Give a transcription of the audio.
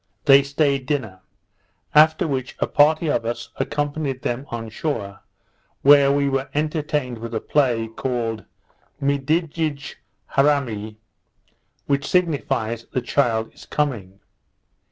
They staid dinner; after which a party of us accompanied them on shore, where we were entertained with a play, called Mididij Harramy, which signifies the Child is coming.